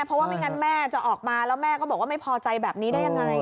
เพราะว่าไม่งั้นแม่จะออกมาแล้วแม่ก็บอกว่าไม่พอใจแบบนี้ได้ยังไง